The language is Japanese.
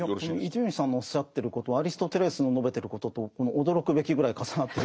伊集院さんのおっしゃってることアリストテレスの述べてることと驚くべきぐらい重なってるところがあって。